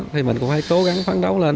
thì mình cũng phải cố gắng phán đấu lên